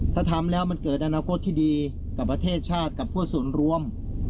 ถ้าทำแล้วมันเกิดอนาคตที่ดีกับประเทศชาติกับพวกส่วนรวม